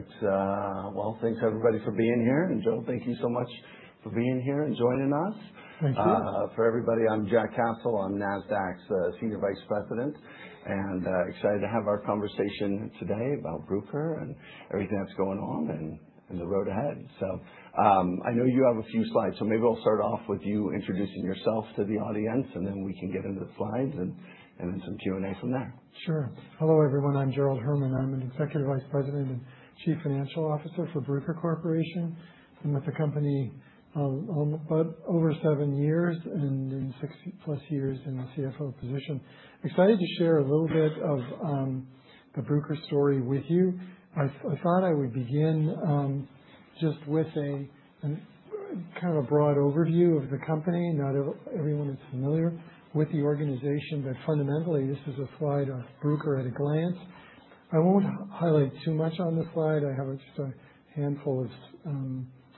All right, well, thanks, everybody, for being here, and Gerald, thank you so much for being here and joining us. Thank you. For everybody, I'm Jack Cassel. I'm Nasdaq's Senior Vice President and excited to have our conversation today about Bruker and everything that's going on and the road ahead, so I know you have a few slides, so maybe I'll start off with you introducing yourself to the audience, and then we can get into the slides and then some Q&A from there. Sure. Hello, everyone. I'm Gerald Herman. I'm an Executive Vice President and Chief Financial Officer for Bruker Corporation. I've been with the company for a little bit over seven years and then six plus years in the CFO position. Excited to share a little bit of the Bruker story with you. I thought I would begin just with a kind of a broad overview of the company. Not everyone is familiar with the organization, but fundamentally, this is a slide of Bruker at a glance. I won't highlight too much on this slide. I have just a handful of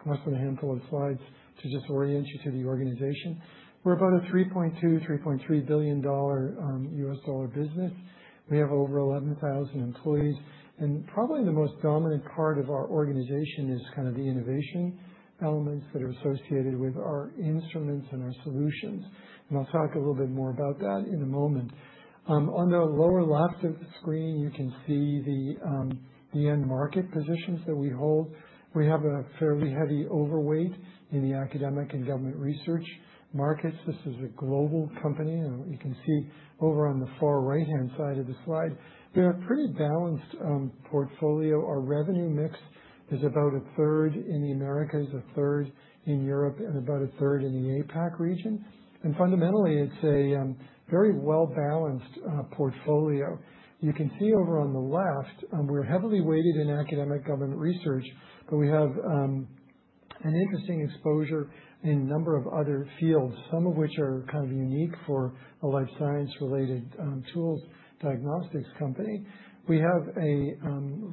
less than a handful of slides to just orient you to the organization. We're about a $3.2 billion-$3.3 billion U.S. dollar business. We have over 11,000 employees. And probably the most dominant part of our organization is kind of the innovation elements that are associated with our instruments and our solutions. I'll talk a little bit more about that in a moment. On the lower left of the screen, you can see the end market positions that we hold. We have a fairly heavy overweight in the academic and government research markets. This is a global company. You can see over on the far right-hand side of the slide, we have a pretty balanced portfolio. Our revenue mix is about 1/3 in the Americas, 1/3 in Europe, and about 1/3 in the APAC region. Fundamentally, it's a very well-balanced portfolio. You can see over on the left, we're heavily weighted in academic government research, but we have an interesting exposure in a number of other fields, some of which are kind of unique for a life science-related tools diagnostics company. We have a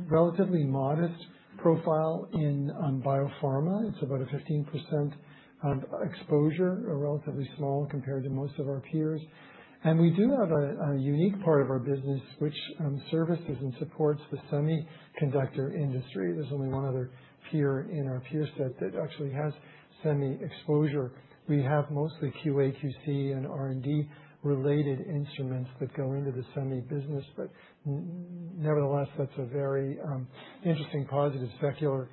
relatively modest profile in biopharma. It's about a 15% exposure, relatively small compared to most of our peers. And we do have a unique part of our business, which services and supports the semiconductor industry. There's only one other peer in our peer set that actually has semi exposure. We have mostly QA, QC, and R&D-related instruments that go into the semi business. But nevertheless, that's a very interesting, positive, secular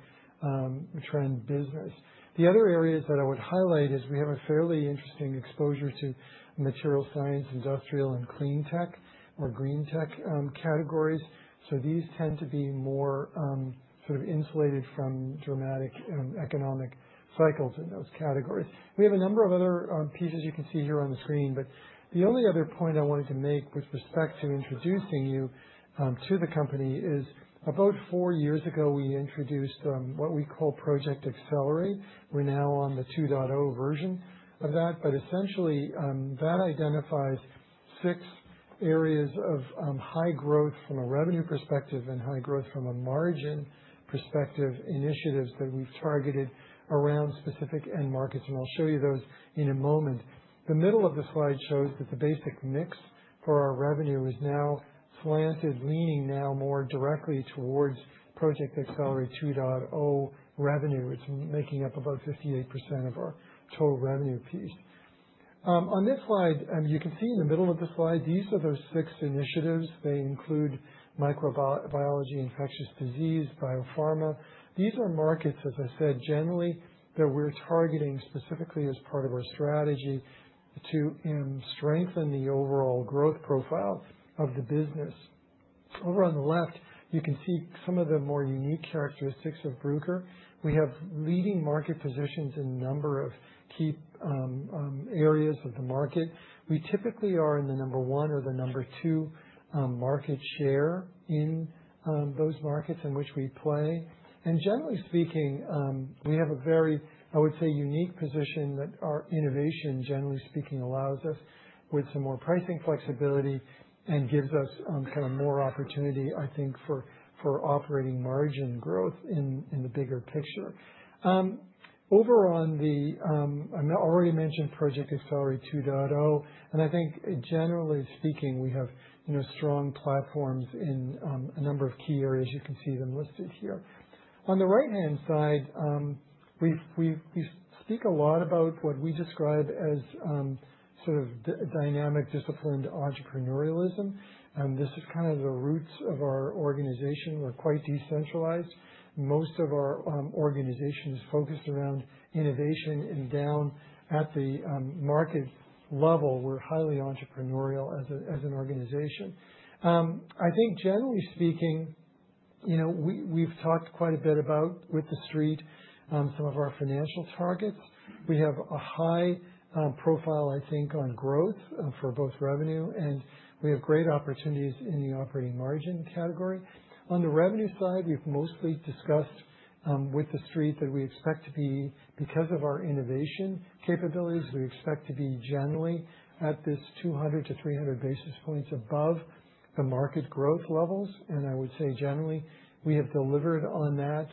trend business. The other areas that I would highlight is we have a fairly interesting exposure to material science, industrial, and clean tech, or green tech categories. So these tend to be more sort of insulated from dramatic economic cycles in those categories. We have a number of other pieces you can see here on the screen. But the only other point I wanted to make with respect to introducing you to the company is about four years ago, we introduced what we call Project Accelerate. We're now on the 2.0 version of that. But essentially, that identifies six areas of high growth from a revenue perspective and high growth from a margin perspective, initiatives that we've targeted around specific end markets. And I'll show you those in a moment. The middle of the slide shows that the basic mix for our revenue is now slanted, leaning now more directly towards Project Accelerate 2.0 revenue. It's making up about 58% of our total revenue piece. On this slide, you can see in the middle of the slide, these are those six initiatives. They include microbiology, infectious disease, biopharma. These are markets, as I said, generally, that we're targeting specifically as part of our strategy to strengthen the overall growth profile of the business. Over on the left, you can see some of the more unique characteristics of Bruker. We have leading market positions in a number of key areas of the market. We typically are in the number one or the number two market share in those markets in which we play, and generally speaking, we have a very, I would say, unique position that our innovation, generally speaking, allows us with some more pricing flexibility and gives us kind of more opportunity, I think, for operating margin growth in the bigger picture. Over on the, I already mentioned Project Accelerate 2.0, and I think, generally speaking, we have strong platforms in a number of key areas. You can see them listed here. On the right-hand side, we speak a lot about what we describe as sort of dynamic, disciplined entrepreneurialism, and this is kind of the roots of our organization. We're quite decentralized. Most of our organization is focused around innovation, and down at the market level, we're highly entrepreneurial as an organization. I think, generally speaking, we've talked quite a bit about, with the street, some of our financial targets. We have a high profile, I think, on growth for both revenue, and we have great opportunities in the operating margin category. On the revenue side, we've mostly discussed with the street that we expect to be, because of our innovation capabilities, we expect to be generally at this 200 basis points-300 basis points above the market growth levels, and I would say, generally, we have delivered on that.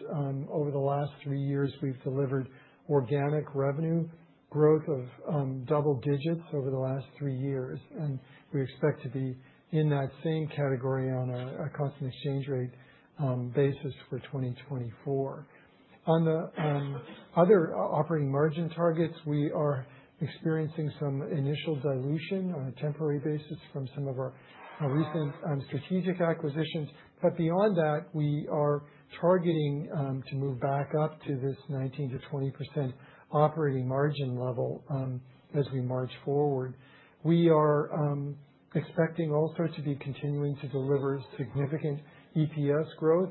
Over the last three years, we've delivered organic revenue growth of double digits over the last three years, and we expect to be in that same category on a cost and exchange rate basis for 2024. On the other operating margin targets, we are experiencing some initial dilution on a temporary basis from some of our recent strategic acquisitions, but beyond that, we are targeting to move back up to this 19%-20% operating margin level as we march forward. We are expecting also to be continuing to deliver significant EPS growth.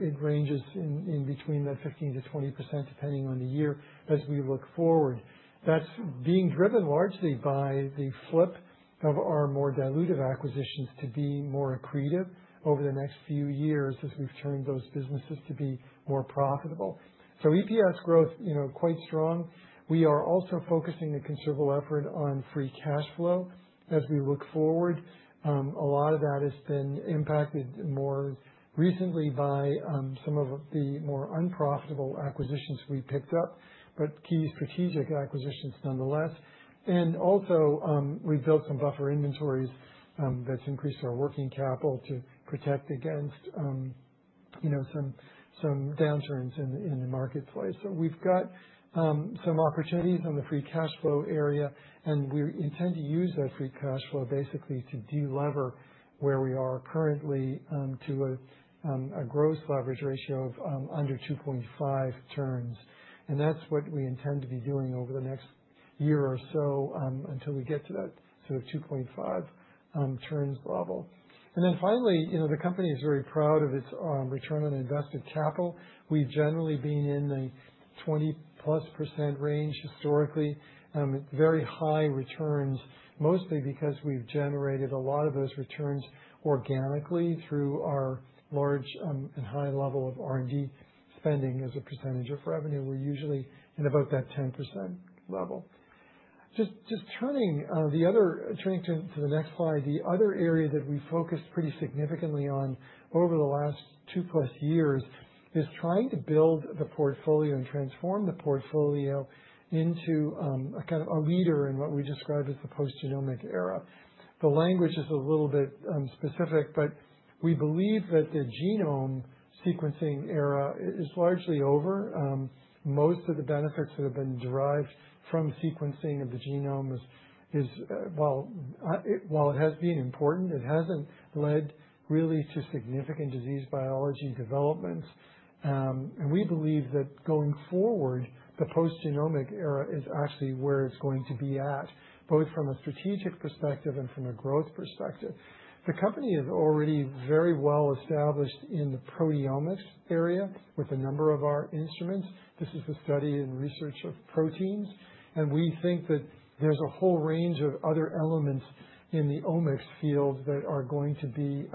It ranges in between that 15%-20%, depending on the year, as we look forward. That's being driven largely by the flip of our more dilutive acquisitions to be more accretive over the next few years as we've turned those businesses to be more profitable, so EPS growth, quite strong. We are also focusing a considerable effort on free cash flow as we look forward. A lot of that has been impacted more recently by some of the more unprofitable acquisitions we picked up, but key strategic acquisitions nonetheless. And also, we've built some buffer inventories that's increased our working capital to protect against some downturns in the marketplace. So we've got some opportunities on the free cash flow area. And we intend to use that free cash flow basically to delever where we are currently to a gross leverage ratio of under 2.5 turns. And that's what we intend to be doing over the next year or so until we get to that sort of 2.5 turns level. And then finally, the company is very proud of its return on invested capital. We've generally been in the 20%+ range historically. Very high returns, mostly because we've generated a lot of those returns organically through our large and high level of R&D spending as a percentage of revenue. We're usually in about that 10% level. Just turning to the next slide, the other area that we focused pretty significantly on over the last 2+ years is trying to build the portfolio and transform the portfolio into kind of a leader in what we describe as the post-genomic era. The language is a little bit specific, but we believe that the genome sequencing era is largely over. Most of the benefits that have been derived from sequencing of the genome is, while it has been important, it hasn't led really to significant disease biology developments. And we believe that going forward, the post-genomic era is actually where it's going to be at, both from a strategic perspective and from a growth perspective. The company is already very well established in the proteomics area with a number of our instruments. This is the study and research of proteins. We think that there's a whole range of other elements in the omics field that are going to be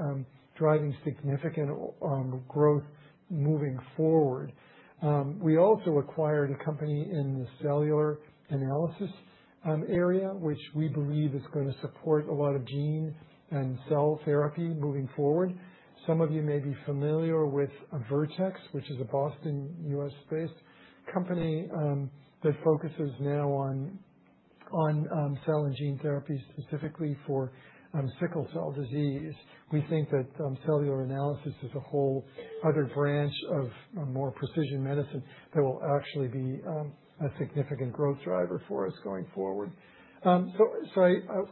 driving significant growth moving forward. We also acquired a company in the cellular analysis area, which we believe is going to support a lot of gene and cell therapy moving forward. Some of you may be familiar with Vertex, which is a Boston U.S.-based company that focuses now on cell and gene therapy specifically for sickle cell disease. We think that cellular analysis is a whole other branch of more precision medicine that will actually be a significant growth driver for us going forward. So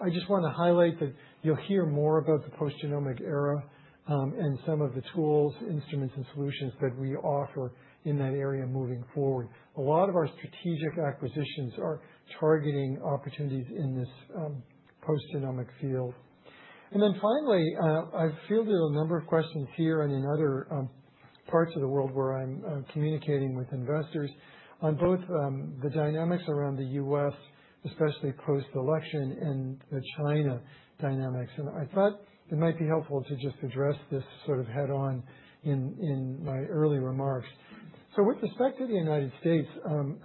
I just want to highlight that you'll hear more about the post-genomic era and some of the tools, instruments, and solutions that we offer in that area moving forward. A lot of our strategic acquisitions are targeting opportunities in this post-genomic field. And then finally, I've fielded a number of questions here and in other parts of the world where I'm communicating with investors on both the dynamics around the U.S., especially post-election, and the China dynamics. And I thought it might be helpful to just address this sort of head-on in my early remarks. So with respect to the United States,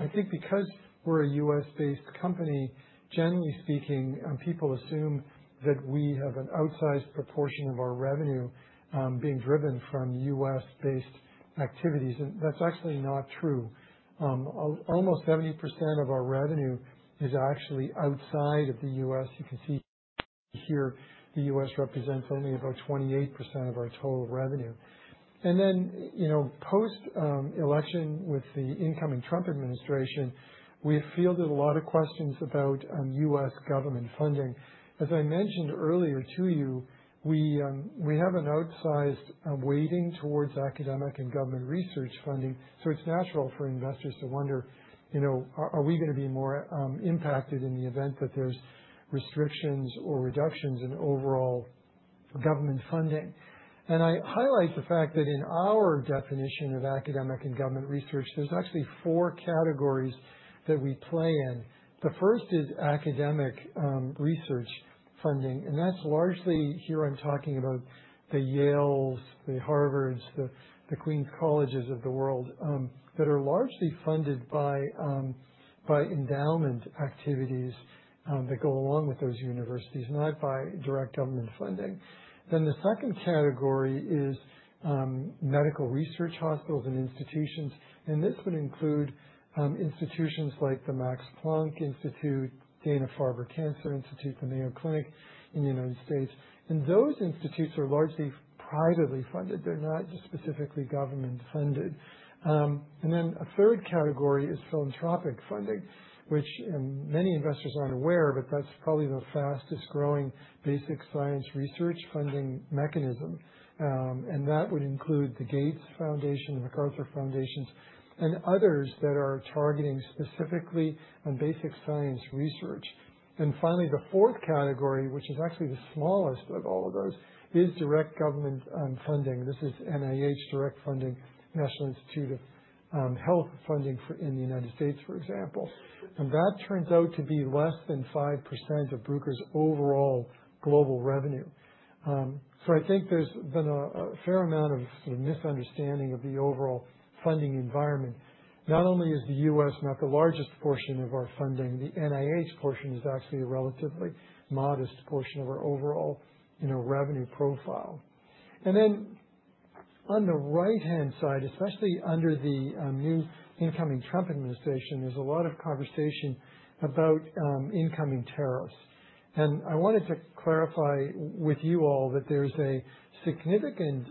I think because we're a U.S.-based company, generally speaking, people assume that we have an outsized proportion of our revenue being driven from U.S.-based activities. And that's actually not true. Almost 70% of our revenue is actually outside of the U.S. You can see here the U.S. represents only about 28% of our total revenue. And then post-election with the incoming Trump administration, we've fielded a lot of questions about U.S. government funding. As I mentioned earlier to you, we have an outsized weighting towards academic and government research funding. So it's natural for investors to wonder, are we going to be more impacted in the event that there's restrictions or reductions in overall government funding? And I highlight the fact that in our definition of academic and government research, there's actually four categories that we play in. The first is academic research funding. And that's largely here I'm talking about the Yale, the Harvards, the Queens Colleges of the world that are largely funded by endowment activities that go along with those universities, not by direct government funding. Then the second category is medical research hospitals and institutions. And this would include institutions like the Max Planck Institute, Dana-Farber Cancer Institute, the Mayo Clinic in the United States. And those institutes are largely privately funded. They're not specifically government funded. And then a third category is philanthropic funding, which many investors aren't aware, but that's probably the fastest growing basic science research funding mechanism. And that would include the Gates Foundation, the MacArthur Foundation, and others that are targeting specifically on basic science research. And finally, the fourth category, which is actually the smallest of all of those, is direct government funding. This is NIH direct funding, National Institutes of Health funding in the United States, for example. And that turns out to be less than 5% of Bruker's overall global revenue. So I think there's been a fair amount of sort of misunderstanding of the overall funding environment. Not only is the U.S. not the largest portion of our funding, the NIH portion is actually a relatively modest portion of our overall revenue profile, and then on the right-hand side, especially under the new incoming Trump administration, there's a lot of conversation about incoming tariffs. And I wanted to clarify with you all that there's a significant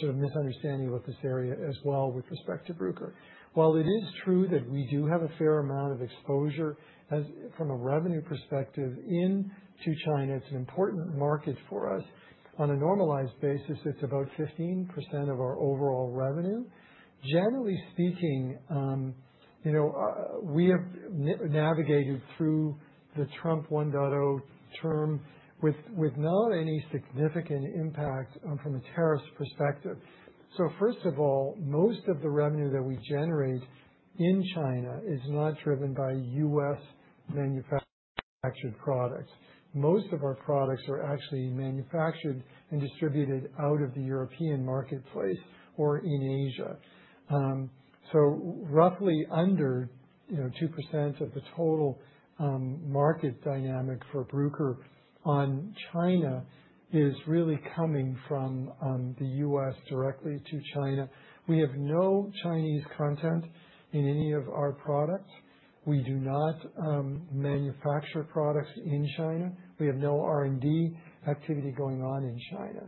sort of misunderstanding with this area as well with respect to Bruker. While it is true that we do have a fair amount of exposure from a revenue perspective into China, it's an important market for us. On a normalized basis, it's about 15% of our overall revenue. Generally speaking, we have navigated through the Trump 1.0 term with not any significant impact from a tariff perspective, so first of all, most of the revenue that we generate in China is not driven by U.S. manufactured products. Most of our products are actually manufactured and distributed out of the European marketplace or in Asia. So roughly under 2% of the total market dynamic for Bruker on China is really coming from the U.S. directly to China. We have no Chinese content in any of our products. We do not manufacture products in China. We have no R&D activity going on in China.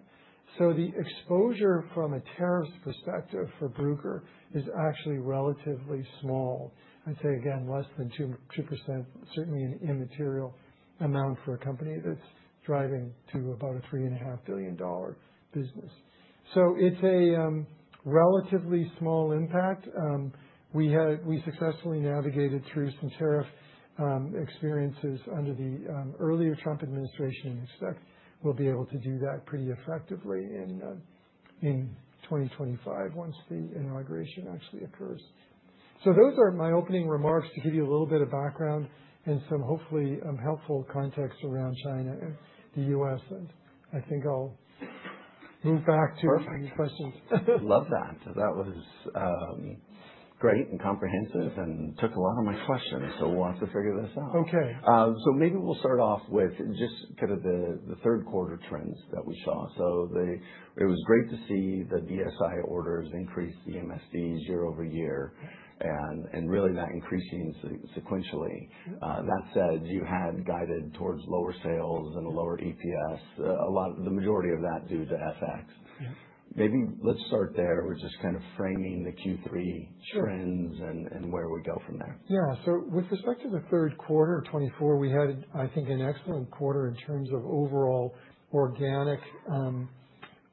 So the exposure from a tariff perspective for Bruker is actually relatively small. I'd say, again, less than 2%, certainly an immaterial amount for a company that's driving to about a $3.5 billion business. So it's a relatively small impact. We successfully navigated through some tariff experiences under the earlier Trump administration. And I expect we'll be able to do that pretty effectively in 2025 once the inauguration actually occurs. So those are my opening remarks to give you a little bit of background and some hopefully helpful context around China and the U.S. And I think I'll move back to questions. Perfect. Love that. That was great and comprehensive and took a lot of my questions. So we'll have to figure this out. So maybe we'll start off with just kind of the third quarter trends that we saw. So it was great to see the BSI orders increase the MSD year-over-year. And really that increasing sequentially. That said, you had guided towards lower sales and a lower EPS. The majority of that due to FX. Maybe let's start there. We're just kind of framing the Q3 trends and where we go from there. Yeah. So with respect to the third quarter of 2024, we had, I think, an excellent quarter in terms of overall organic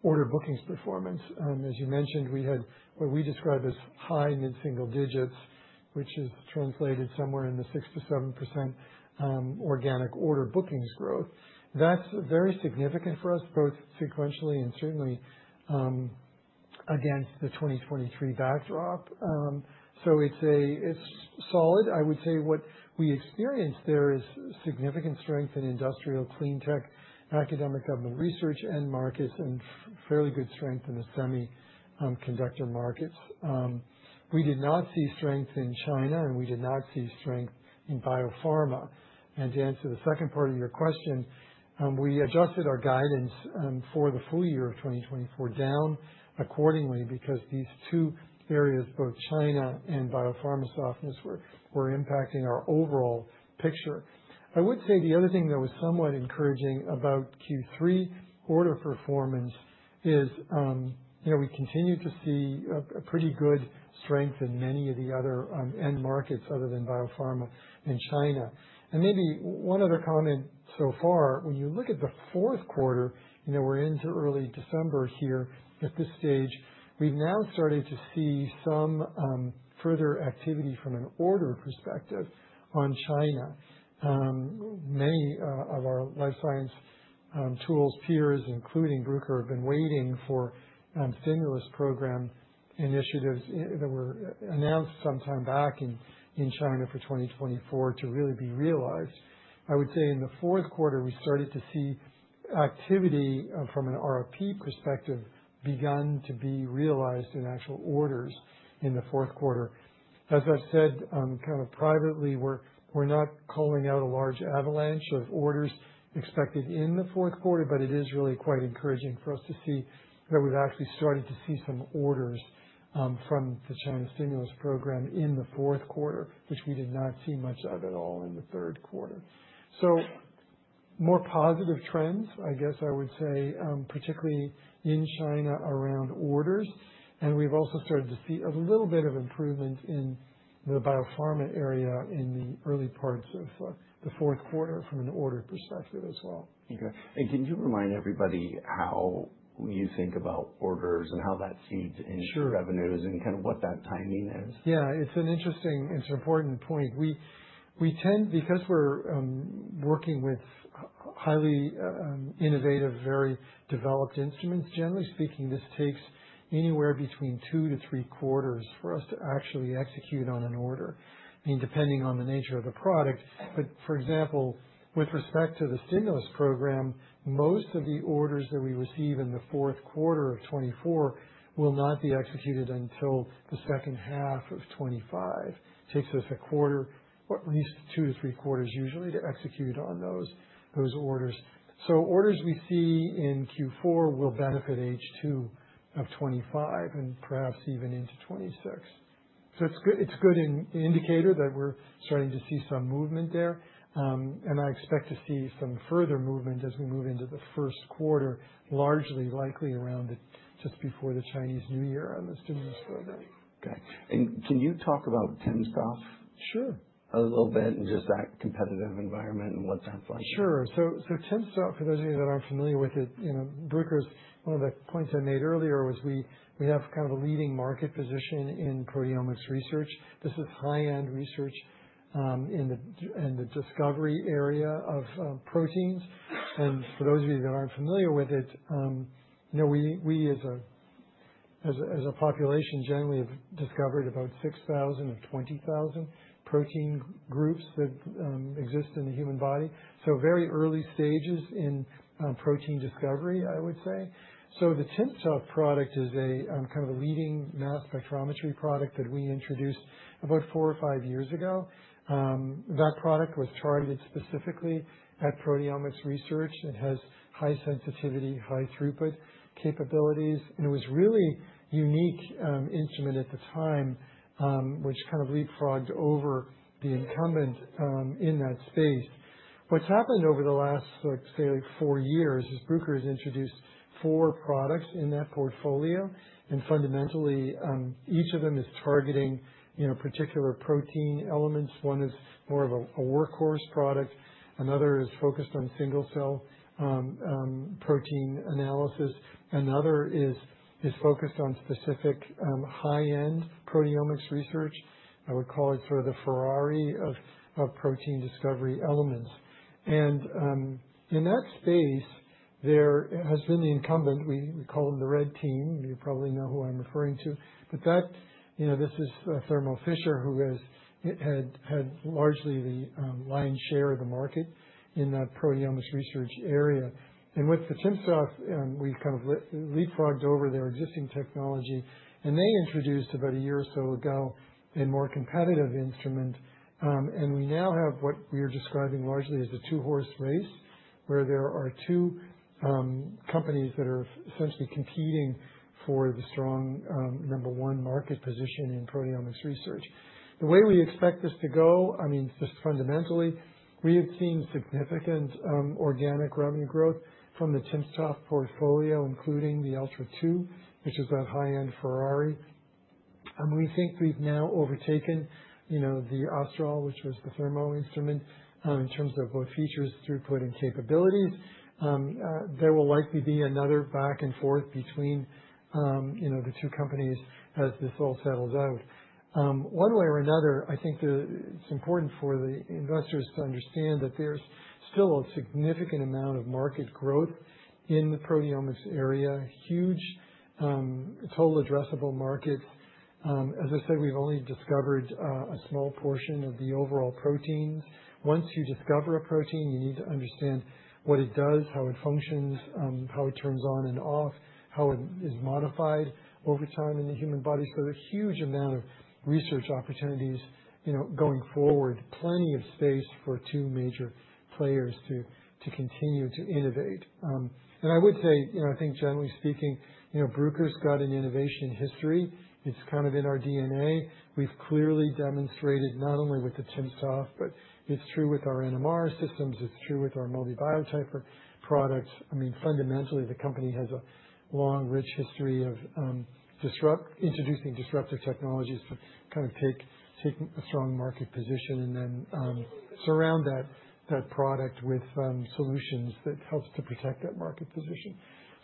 order bookings performance. As you mentioned, we had what we describe as high mid-single digits, which is translated somewhere in the 6%-7% organic order bookings growth. That's very significant for us, both sequentially and certainly against the 2023 backdrop. So it's solid. I would say what we experienced there is significant strength in industrial, clean tech, academic government research, and markets, and fairly good strength in the semiconductor markets. We did not see strength in China, and we did not see strength in biopharma. And to answer the second part of your question, we adjusted our guidance for the full year of 2024 down accordingly because these two areas, both China and biopharma softness, were impacting our overall picture. I would say the other thing that was somewhat encouraging about Q3 order performance is we continue to see a pretty good strength in many of the other end markets other than biopharma in China. And maybe one other comment so far, when you look at the fourth quarter, we're into early December here. At this stage, we've now started to see some further activity from an order perspective on China. Many of our life science tools peers, including Bruker, have been waiting for stimulus program initiatives that were announced sometime back in China for 2024 to really be realized. I would say in the fourth quarter, we started to see activity from an RFP perspective begun to be realized in actual orders in the fourth quarter. As I've said, kind of privately, we're not calling out a large avalanche of orders expected in the fourth quarter, but it is really quite encouraging for us to see that we've actually started to see some orders from the China stimulus program in the fourth quarter, which we did not see much of at all in the third quarter, so more positive trends, I guess I would say, particularly in China around orders, and we've also started to see a little bit of improvement in the biopharma area in the early parts of the fourth quarter from an order perspective as well. Okay. And can you remind everybody how you think about orders and how that feeds into revenues and kind of what that timing is? Yeah. It's an interesting and it's an important point. Because we're working with highly innovative, very developed instruments, generally speaking, this takes anywhere between two to three quarters for us to actually execute on an order. I mean, depending on the nature of the product. But for example, with respect to the stimulus program, most of the orders that we receive in the fourth quarter of 2024 will not be executed until the second half of 2025. It takes us a quarter, at least two to three quarters usually, to execute on those orders. So orders we see in Q4 will benefit H2 of 2025 and perhaps even into 2026. So it's a good indicator that we're starting to see some movement there. I expect to see some further movement as we move into the first quarter, largely likely around just before the Chinese New Year on the stimulus program. Okay. And can you talk about timsTOF a little bit and just that competitive environment and what that's like? Sure. So timsTOF, for those of you that aren't familiar with it, Bruker's, one of the points I made earlier was we have kind of a leading market position in proteomics research. This is high-end research in the discovery area of proteins. And for those of you that aren't familiar with it, we as a population generally have discovered about 6,000 of 20,000 protein groups that exist in the human body. So very early stages in protein discovery, I would say. So the timsTOF product is kind of a leading mass spectrometry product that we introduced about four or five years ago. That product was targeted specifically at proteomics research. It has high sensitivity, high throughput capabilities. And it was really a unique instrument at the time, which kind of leapfrogged over the incumbent in that space. What's happened over the last, say, four years is Bruker has introduced four products in that portfolio. And fundamentally, each of them is targeting particular protein elements. One is more of a workhorse product. Another is focused on single-cell protein analysis. Another is focused on specific high-end proteomics research. I would call it sort of the Ferrari of protein discovery elements. And in that space, there has been the incumbent. We call them the red team. You probably know who I'm referring to. But this is Thermo Fisher, who has had largely the lion's share of the market in that proteomics research area. And with the timsTOF, we've kind of leapfrogged over their existing technology. And they introduced about a year or so ago a more competitive instrument. We now have what we are describing largely as a two-horse race, where there are two companies that are essentially competing for the strong number one market position in proteomics research. The way we expect this to go, I mean, just fundamentally, we have seen significant organic revenue growth from the timsTOF portfolio, including the timsTOF Ultra, which is that high-end Ferrari. And we think we've now overtaken the Astral, which was the Thermo instrument, in terms of both features, throughput, and capabilities. There will likely be another back and forth between the two companies as this all settles out. One way or another, I think it's important for the investors to understand that there's still a significant amount of market growth in the proteomics area, huge total addressable markets. As I said, we've only discovered a small portion of the overall proteins. Once you discover a protein, you need to understand what it does, how it functions, how it turns on and off, how it is modified over time in the human body. So there's a huge amount of research opportunities going forward, plenty of space for two major players to continue to innovate. And I would say, I think generally speaking, Bruker's got an innovation history. It's kind of in our DNA. We've clearly demonstrated not only with the timsTOF, but it's true with our NMR systems. It's true with our MALDI Biotyper products. I mean, fundamentally, the company has a long, rich history of introducing disruptive technologies to kind of take a strong market position and then surround that product with solutions that help to protect that market position.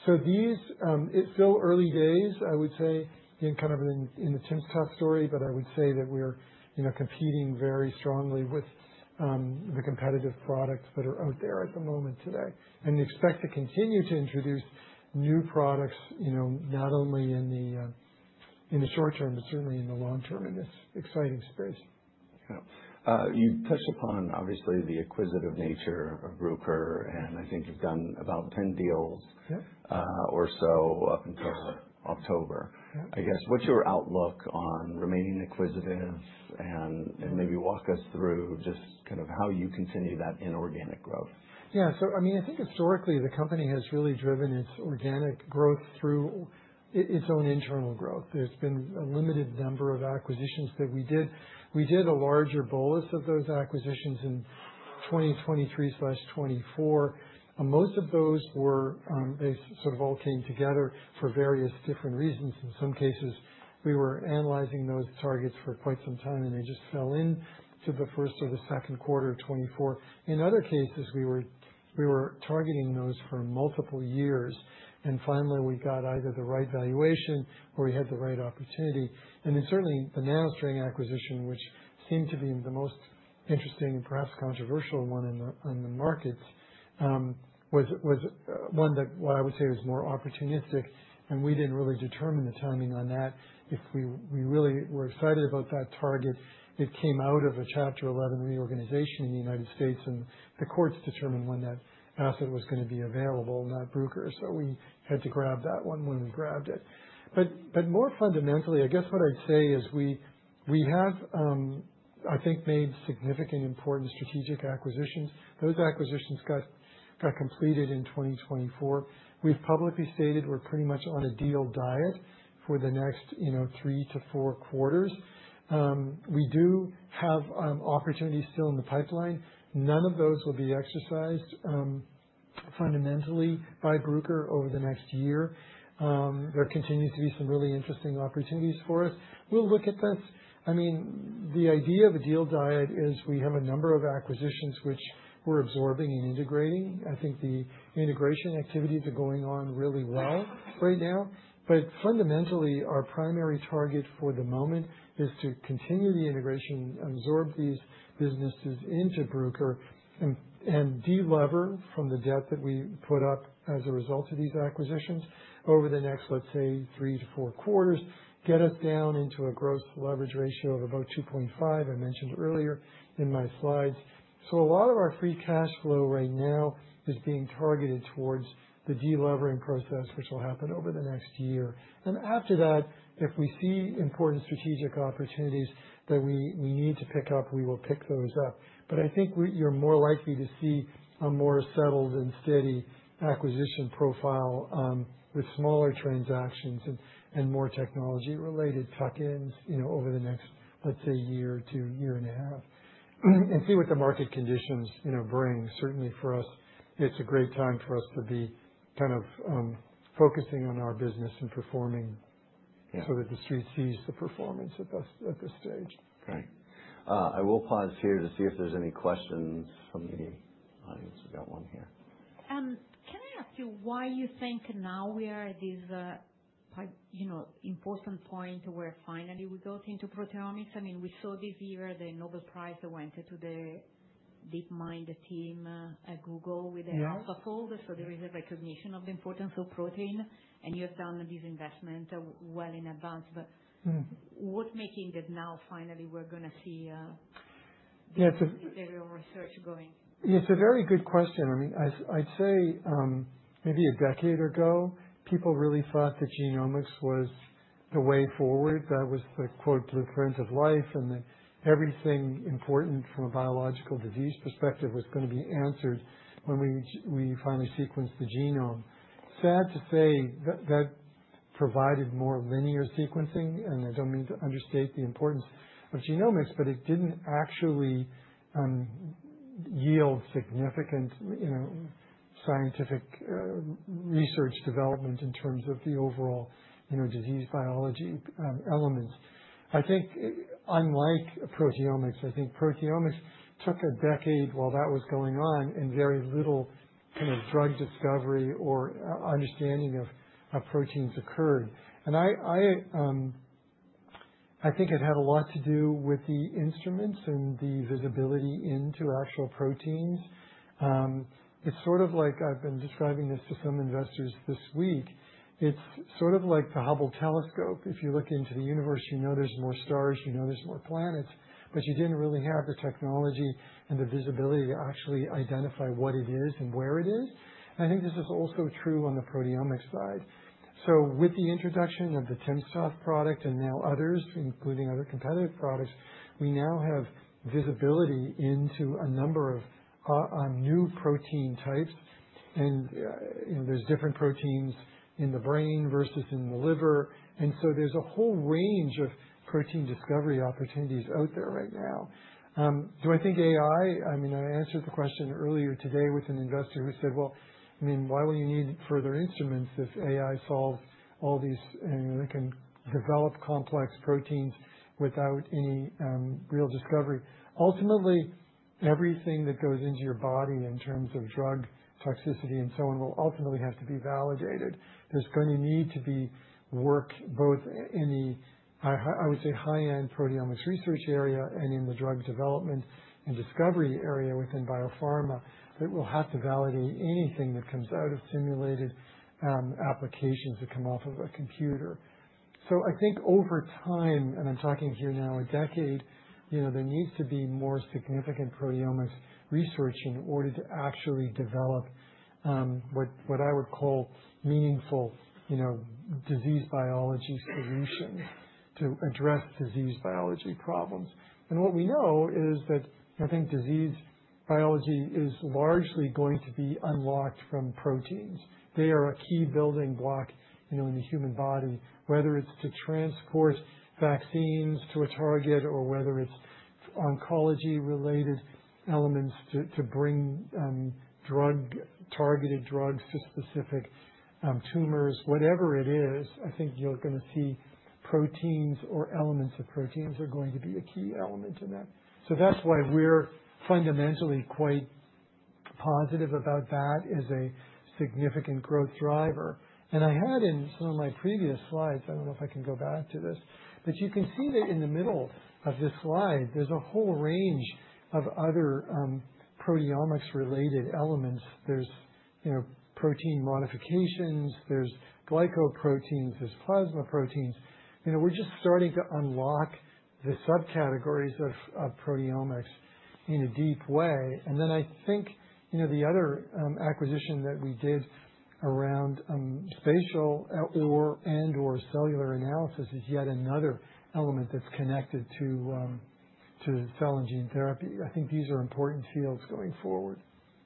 So it's still early days, I would say, in kind of the timsTOF story, but I would say that we're competing very strongly with the competitive products that are out there at the moment today. And we expect to continue to introduce new products not only in the short term, but certainly in the long term in this exciting space. Yeah. You touched upon, obviously, the acquisitive nature of Bruker, and I think you've done about 10 deals or so up until October. I guess what's your outlook on remaining acquisitions? And maybe walk us through just kind of how you continue that inorganic growth. Yeah. So I mean, I think historically, the company has really driven its organic growth through its own internal growth. There's been a limited number of acquisitions that we did. We did a larger bolus of those acquisitions in 2023/2024. Most of those were they sort of all came together for various different reasons. In some cases, we were analyzing those targets for quite some time, and they just fell into the first or the second quarter of 2024. In other cases, we were targeting those for multiple years. And finally, we got either the right valuation or we had the right opportunity. And then certainly, the NanoString acquisition, which seemed to be the most interesting and perhaps controversial one on the markets, was one that, well, I would say was more opportunistic. And we didn't really determine the timing on that. If we really were excited about that target, it came out of a Chapter 11 reorganization in the United States, and the courts determined when that asset was going to be available, not Bruker. So we had to grab that one when we grabbed it, but more fundamentally, I guess what I'd say is we have, I think, made significant important strategic acquisitions. Those acquisitions got completed in 2024. We've publicly stated we're pretty much on a deal diet for the next three to four quarters. We do have opportunities still in the pipeline. None of those will be exercised fundamentally by Bruker over the next year. There continues to be some really interesting opportunities for us. We'll look at this. I mean, the idea of a deal diet is we have a number of acquisitions which we're absorbing and integrating. I think the integration activities are going on really well right now, but fundamentally, our primary target for the moment is to continue the integration, absorb these businesses into Bruker, and delever from the debt that we put up as a result of these acquisitions over the next, let's say, three to four quarters, get us down into a gross leverage ratio of about 2.5, I mentioned earlier in my slides, so a lot of our free cash flow right now is being targeted towards the delevering process, which will happen over the next year, and after that, if we see important strategic opportunities that we need to pick up, we will pick those up. But I think you're more likely to see a more settled and steady acquisition profile with smaller transactions and more technology-related tuck-ins over the next, let's say, year to year and a half and see what the market conditions bring. Certainly for us, it's a great time for us to be kind of focusing on our business and performing so that the street sees the performance at this stage. Okay. I will pause here to see if there's any questions from the audience. We've got one here. Can I ask you why you think now we are at this important point where finally we got into proteomics? I mean, we saw this year, the Nobel Prize went to the DeepMind team at Google with the AlphaFold. So there is a recognition of the importance of protein. And you have done this investment well in advance. But what's making that now finally we're going to see this proteomics research going? Yeah. It's a very good question. I mean, I'd say maybe a decade ago, people really thought that genomics was the way forward. That was the key to the threads of life. And that everything important from a biological disease perspective was going to be answered when we finally sequenced the genome. Sad to say, that provided more linear sequencing. And I don't mean to understate the importance of genomics, but it didn't actually yield significant scientific research development in terms of the overall disease biology elements. I think unlike proteomics, I think proteomics took a decade while that was going on and very little kind of drug discovery or understanding of how proteins occurred. And I think it had a lot to do with the instruments and the visibility into actual proteins. It's sort of like I've been describing this to some investors this week. It's sort of like the Hubble Space Telescope. If you look into the universe, you know there's more stars. You know there's more planets. But you didn't really have the technology and the visibility to actually identify what it is and where it is. And I think this is also true on the proteomics side. So with the introduction of the timsTOF product and now others, including other competitive products, we now have visibility into a number of new protein types. And there's different proteins in the brain versus in the liver. And so there's a whole range of protein discovery opportunities out there right now. Do I think AI? I mean, I answered the question earlier today with an investor who said, "Well, I mean, why will you need further instruments if AI solves all these and can develop complex proteins without any real discovery?" Ultimately, everything that goes into your body in terms of drug toxicity and so on will ultimately have to be validated. There's going to need to be work both in the, I would say, high-end proteomics research area and in the drug development and discovery area within biopharma that will have to validate anything that comes out of simulated applications that come off of a computer. So I think over time, and I'm talking here now a decade, there needs to be more significant proteomics research in order to actually develop what I would call meaningful disease biology solutions to address disease biology problems. And what we know is that I think disease biology is largely going to be unlocked from proteins. They are a key building block in the human body, whether it's to transport vaccines to a target or whether it's oncology-related elements to bring targeted drugs to specific tumors. Whatever it is, I think you're going to see proteins or elements of proteins are going to be a key element in that. So that's why we're fundamentally quite positive about that as a significant growth driver. And I had in some of my previous slides, I don't know if I can go back to this, but you can see that in the middle of this slide, there's a whole range of other proteomics-related elements. There's protein modifications. There's glycoproteins. There's plasma proteins. We're just starting to unlock the subcategories of proteomics in a deep way. And then I think the other acquisition that we did around spatial and/or cellular analysis is yet another element that's connected to cell and gene therapy. I think these are important fields going forward.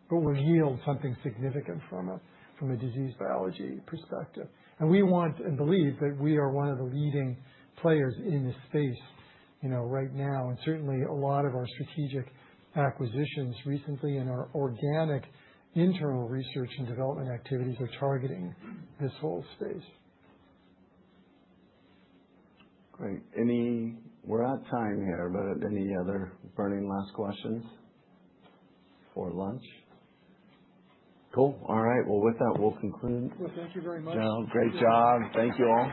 But will yield something significant from a disease biology perspective. And we want and believe that we are one of the leading players in this space right now. And certainly, a lot of our strategic acquisitions recently in our organic internal research and development activities are targeting this whole space. Great. We're out of time here. But any other burning last questions for lunch? Cool. All right. Well, with that, we'll conclude. Thank you very much. Jon, great job. Thank you all.